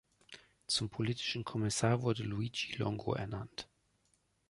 Zum politischen Kommissar wurde Luigi Longo ernannt.